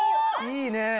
いいね。